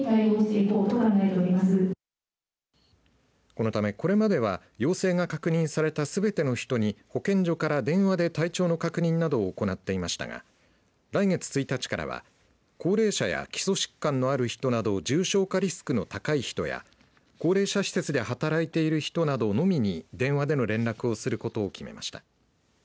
このためこれまでは陽性が確認されたすべての人に保健所から電話で体調の確認などを行っていましたが来月１日からは高齢者や基礎疾患のある人など重症化リスクの高い人や高齢者施設で働いている人などのみに電話での連絡をすることを決めました。